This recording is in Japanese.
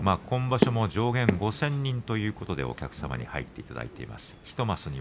今場所、上限５０００人ということでお客さんに入っていただいています。